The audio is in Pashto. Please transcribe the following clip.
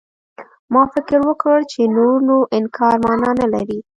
ما فکر وکړ چې نور نو انکار مانا نه لري.